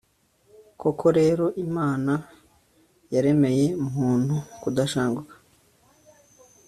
koko rero, imana yaremeye muntu kudashanguka